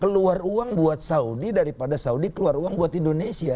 keluar uang buat saudi daripada saudi keluar uang buat indonesia